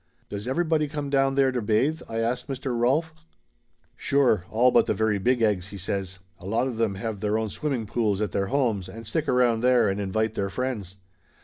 "Does everybody come down there to bathe?" I asked Mr. Rolf. "Sure all but the very big eggs," he says. "A lot of them have their own swimming pools at their homes, and stick around there and invite their friends."